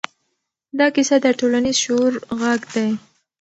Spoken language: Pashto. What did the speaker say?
دا کیسه د ټولنیز شعور غږ دی.